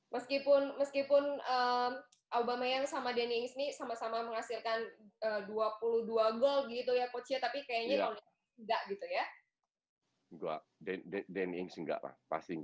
meskipun aubameyang sama danny ings ini sama sama menghasilkan dua puluh dua gol